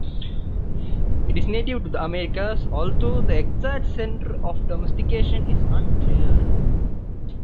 It is native to the Americas, although the exact center of domestication is unclear.